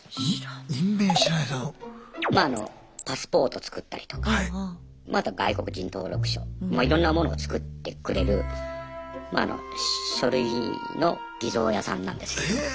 まああのパスポート作ったりとかまああとは外国人登録書いろんなものを作ってくれるまああの書類の偽造屋さんなんですけど。へえ！